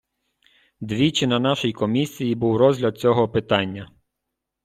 Двічі на нашій комісії був розгляд цього питання.